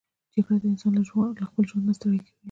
جګړه انسان له خپل ژوند ستړی کوي